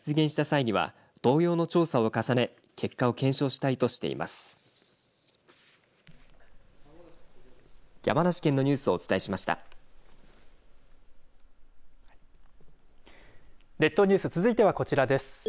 列島ニュース続いてはこちらです。